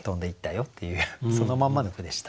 そのまんまの句でした。